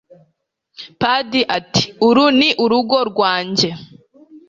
paddy ati uru ni urugo rwanjye